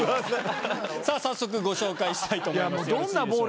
さぁ早速ご紹介したいと思います。